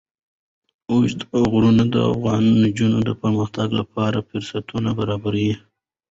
اوږده غرونه د افغان نجونو د پرمختګ لپاره فرصتونه برابروي.